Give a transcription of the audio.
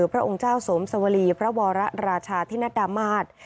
พระองค์เจ้าสมสวรีพระวรราชาธินัดดามาศ